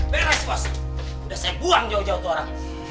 beres bos udah saya buang jauh jauh tuh orang